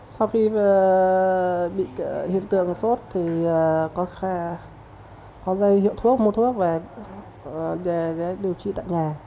sau khi bị hiện tượng sốt thì có dây hiệu thuốc mua thuốc về điều trị tại nhà